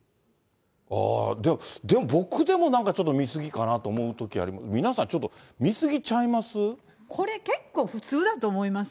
ああ、でも僕でもなんかちょっと見過ぎかなと思うときあるけど、皆さん、これ結構、普通だと思います